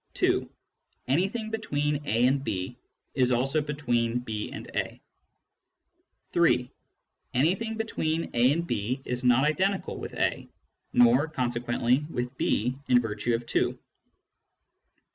(2) Anything between a and b is also between b and a. (3) Anything between a and b is not identical with a (nor, consequently, with b, in virtue of (2)). (4.)